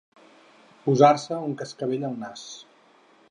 Posar-se un cascavell al nas.